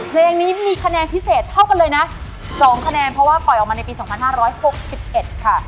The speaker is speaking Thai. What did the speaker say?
เพลงนี้มีคะแนนพิเศษเท่ากันเลยนะสองคะแนนเพราะว่าปล่อยออกมาในปีสองพันห้าร้อยหกสิบเอ็ดค่ะ